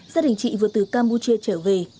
gia đình chị vừa từ campuchia trở về